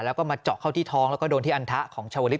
แล้วก็มาเจาะเข้าที่ท้องแล้วก็โดนที่อันทะของชาวลิศ